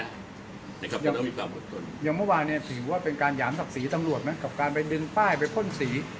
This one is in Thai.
อย่างเมื่อวานเนี่ยถือว่าเป็นการหยามศักดิ์สีตำรวจมั้ยกับการไปดึงป้ายไปพ่นสี